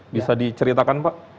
bisa diceritakan pak